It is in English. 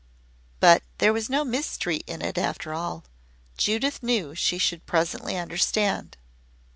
But there was no mystery in it after all. Judith knew she should presently understand.